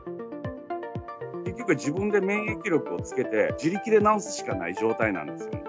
結局、自分で免疫力をつけて、自力で治すしかない状態なんですね。